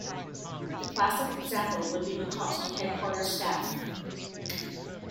The classic example would be the cost of headquarters staff.